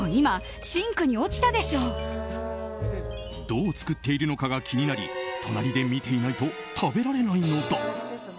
どう作っているのかが気になり隣で見ていないと食べられないのだ。